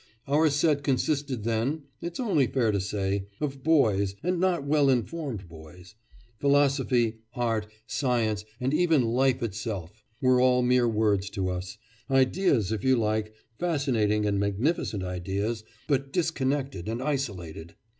Our set consisted then it's only fair to say of boys, and not well informed boys. Philosophy, art, science, and even life itself were all mere words to us ideas if you like, fascinating and magnificent ideas, but disconnected and isolated.